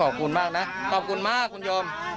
ขอบคุณมากขอบคุณมากผู้ชม